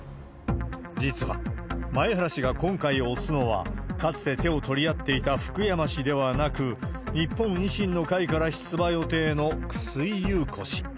実は、前原氏が今回推すのは、かつて手を取り合っていた福山氏ではなく、日本維新の会から出馬予定の、楠井祐子氏。